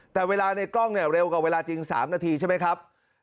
แต่เวลาในกล้องเนี่ยเร็วกว่าเวลาจริง๓นาทีใช่ไหมครับ